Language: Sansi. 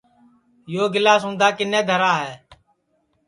یو گِلاس اُندھا کِنے دھرا ہے